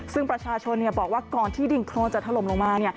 ซึ่งประชาชนบอกว่าก่อนที่ดินโครนจะถล่มลงมา